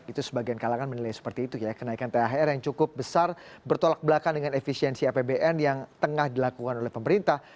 itu sebagian kalangan menilai seperti itu ya kenaikan thr yang cukup besar bertolak belakang dengan efisiensi apbn yang tengah dilakukan oleh pemerintah